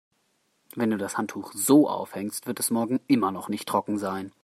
Wenn du das Handtuch so aufhängst, wird es morgen immer noch nicht trocken sein.